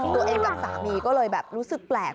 ตัวเองกับสามีก็เลยแบบรู้สึกแปลก